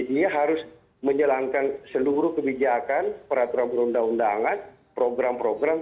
dia harus menjalankan seluruh kebijakan peraturan perundang undangan program program